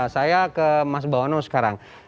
saya ke mas bawono sekarang